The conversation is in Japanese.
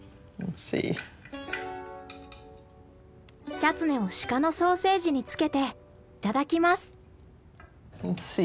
チャツネをシカのソーセージにつけていただきます。